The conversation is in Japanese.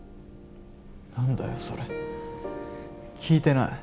何だよそれ聞いてない。